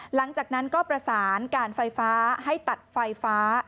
หลังจากนั้นก็ประสานการไฟฟ้าให้ตัดไฟฟ้า